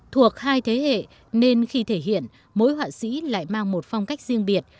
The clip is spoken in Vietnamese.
thuộc hai thế hệ nên khi thể hiện mỗi họa sĩ lại mang một phong cách riêng biệt